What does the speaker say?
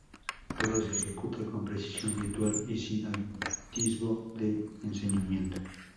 Todo se ejecuta con precisión ritual y sin atisbo de ensañamiento.